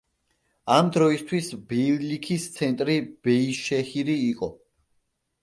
ამ დროისთვის ბეილიქის ცენტრი ბეიშეჰირი იყო.